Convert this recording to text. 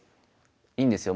いいんですよ。